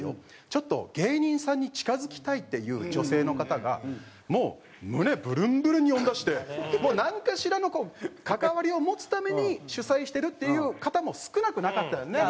ちょっと芸人さんに近付きたいっていう女性の方がもう胸ブルンブルンに追ん出してなんかしらの関わりを持つために主催してるっていう方も少なくなかったよね？